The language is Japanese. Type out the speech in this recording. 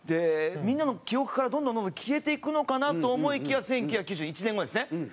みんなの記憶からどんどんどんどん消えていくのかなと思いきや１９９７１年後ですね。